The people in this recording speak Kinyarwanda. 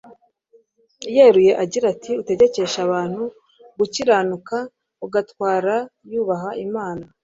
yeruye agira ati utegekesha abantu gukiranuka agatwara yubaha imana